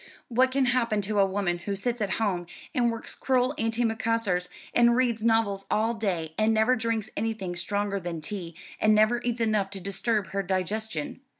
What can happen to a woman who sits at home and works crewel antimacassars and reads novels all day, and never drinks anything stronger than tea, and never eats enough to disturb her digestion?